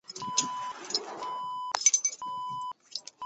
小尚帕尼亚人口变化图示